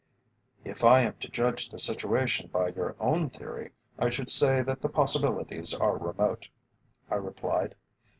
"If I am to judge the situation by your own theory, I should say that the possibilities are remote," I replied.